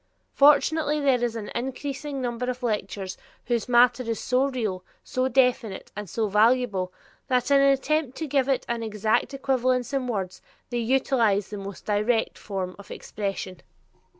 Fortunately there is an increasing number of lecturers whose matter is so real, so definite, and so valuable, that in an attempt to give it an exact equivalence in words, they utilize the most direct forms of expression.